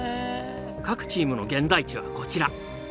各チームの現在地はこちら。